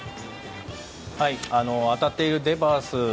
当たっているデバース